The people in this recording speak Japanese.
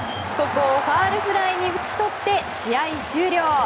ここをファウルフライに打ち取って試合終了。